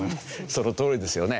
そのとおりですよね。